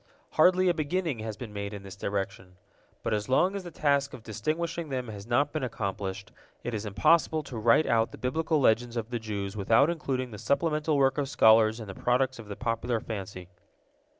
Hardly a beginning has been made in this direction. But as long as the task of distinguishing them has not been accomplished, it is impossible to write out the Biblical legends of the Jews without including the supplemental work of scholars in the products of the popular fancy.